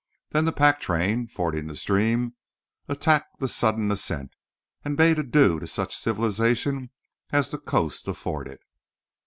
Then the pack train, fording the stream, attacked the sudden ascent, and bade adieu to such civilization as the coast afforded.